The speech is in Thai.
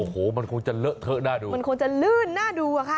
โอ้โหมันคงจะเลอะเทอะหน้าดูมันคงจะลื่นน่าดูอะค่ะ